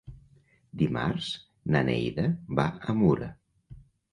Dimarts na Neida va a Mura.